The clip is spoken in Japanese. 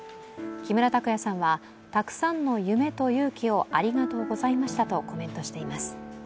木村拓哉さんはたくさんの夢と勇気をありがとうございましたとコメントしています。